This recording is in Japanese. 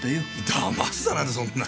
だますだなんてそんな。